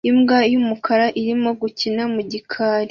Imbwa yumukara irimo gukina mu gikari